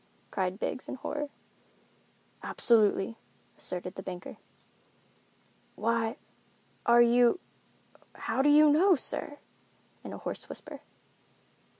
cried Biggs, in horror. "Absolutely," asserted the banker. "Why—are you—how do you know, sir?" in a hoarse whisper.